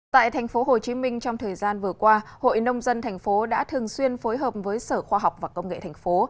tại thành phố hồ chí minh trong thời gian vừa qua hội nông dân thành phố đã thường xuyên phối hợp với sở khoa học và công nghệ thành phố